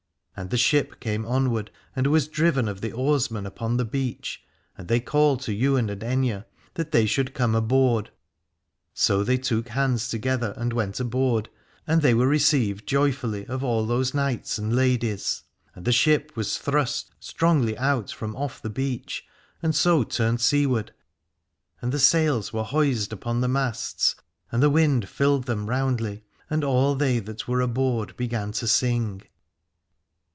And the ship came onward and was driven of the oarsmen upon the beach, and they called to Ywain and Aithne that they should come aboard. So they took hands together and went aboard, and they were received joyfully of all those knights and ladies. And the ship was thrust strongly out from off the beach, and so turned seaward, and the sails were hoised upon the masts, and the wind filled them roundly, and all they that were aboard began to sing.